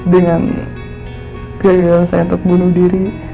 dengan keinginan saya untuk bunuh diri